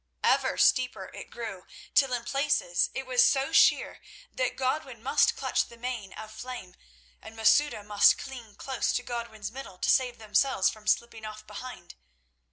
Ever steeper it grew, till in places it was so sheer that Godwin must clutch the mane of Flame, and Masouda must cling close to Godwin's middle to save themselves from slipping off behind.